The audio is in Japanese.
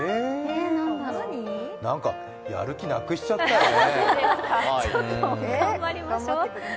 何かやる気なくしちゃったよね。